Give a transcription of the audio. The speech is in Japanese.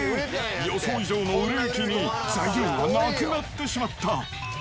予想以上の売れ行きに、材料がなくなってしまった。